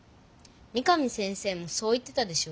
三上先生もそう言ってたでしょ。